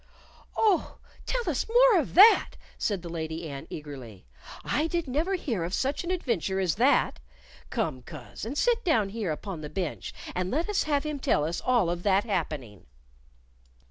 "Oh, tell us more of that!" said the Lady Anne, eagerly. "I did never hear of such an adventure as that. Come, coz, and sit down here upon the bench, and let us have him tell us all of that happening."